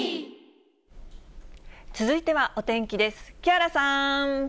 続いてはお天気です。